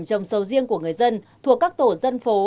trồng sầu riêng của người dân thuộc các tổ dân phố